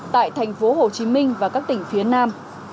tại thành phố hồ chí minh và các tỉnh phía nam